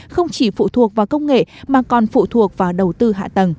không chỉ phụ thuộc vào công nghệ mà còn phụ thuộc vào đầu tư hạ tầng